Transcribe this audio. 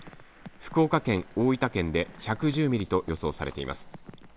福岡県、大分県で１１０ミリと予想されています。